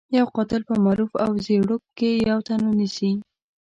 يو قاتل په معروف او زيړوک کې يو تن نيسي.